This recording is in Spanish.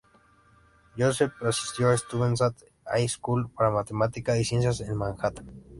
Joseph asistió a Stuyvesant High School para Matemática y Ciencias en Manhattan.